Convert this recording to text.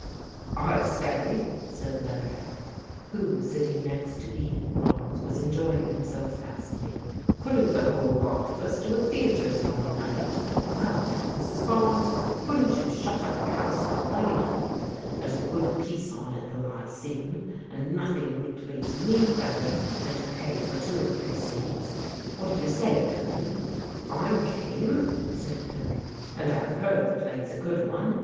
" I say," said Leatherhead, who, sitting next to Edith Barnes, was enjoying himself vastly, " couldn't the whole lot of us do a theatre to morrow night ? Come now, Mrs. Barnes, couldn't you shut up the house for one evening? There's a good piece on at the Lyceum and nothing would please me better than jto pay for two or three seats. What do you say, Pilling?" " I'm game," said Pilling, " and I've heard the play's a good one.